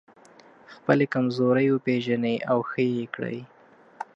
خپلې کمزورۍ وپېژنئ او ښه يې کړئ.